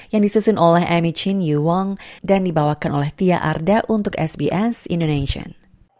yang disusun oleh amicin you wong dan dibawakan oleh tia arda untuk sbs indonesian